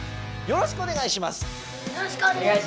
よろしくお願いします。